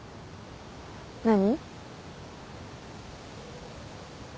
何？